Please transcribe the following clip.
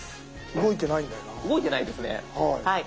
動いてないですね。